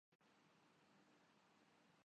ہماری پاکستانی قوم چاہتی کیا ہے؟